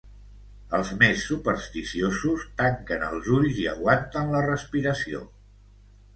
Els més supersticiosos tanquen els ulls i aguanten la respiració.